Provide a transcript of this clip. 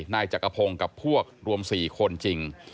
นายจักรพงศ์กับพวกรวม๔คนจริง